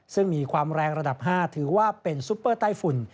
ซึ่งมีความแรงระดับ๕ถือว่าเป็นซุปเปอร์ใต้ฝุ่น